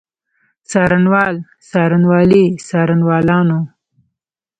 څارنوال، څارنوالي، څارنوالانو.